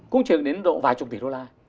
cũng chỉ đến độ vài chục tỷ đô la